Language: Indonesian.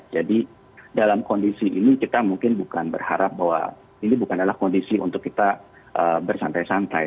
jadi dalam kondisi ini kita mungkin bukan berharap bahwa ini bukan adalah kondisi untuk kita bersantai santai